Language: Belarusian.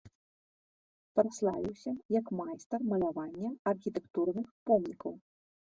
Праславіўся як майстар малявання архітэктурных помнікаў.